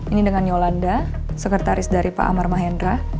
ini dengan nyolanda sekretaris dari pak amar mahendra